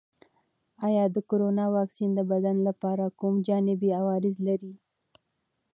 آیا د کرونا واکسین د بدن لپاره کوم جانبي عوارض لري؟